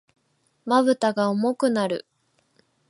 瞼が重くなる。